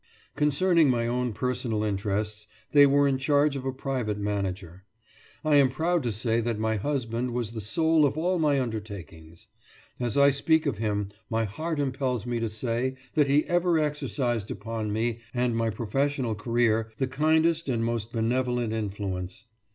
Concerning my own personal interests, they were in charge of a private manager. I am proud to say that my husband was the soul of all my undertakings. As I speak of him, my heart impels me to say that he ever exercised upon me and my professional career the kindest and most benevolent influence.